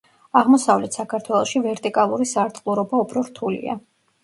აღმოსავლეთ საქართველოში ვერტიკალური სარტყლურობა უფრო რთულია.